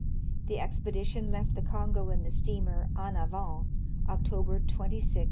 The expedition left the Kongo in the steamer "En Avant," October 26, 1887.